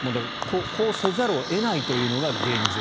こうせざるを得ないというのが現状。